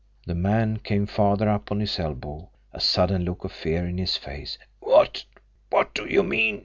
The man came farther up on his elbow, a sudden look of fear in his face. "What what do you mean?"